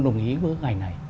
đồng ý với bức ảnh này